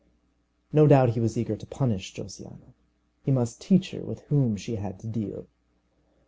No doubt he was eager to punish Josiana. He must teach her with whom she had to deal!